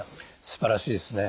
すばらしいですね。